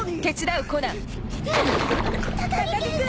高木君！